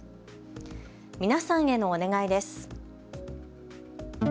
皆さんへのお願いです。